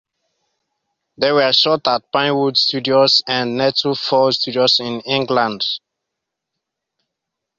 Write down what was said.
They were shot at Pinewood Studios and Nettlefold Studios in England.